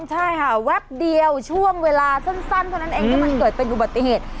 ใช่ค่ะแวบเดียวช่วงเวลาสั้นเท่านั้นเองที่มันเกิดเป็นอุบัติเหตุ